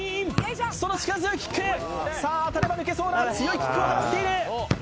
その力強いキックさあ当たれば抜けそうな強いキックを放っている